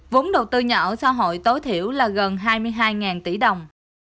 vốn đầu tư nhà ở xã hội tối thiểu là gần hai mươi hai tỷ đồng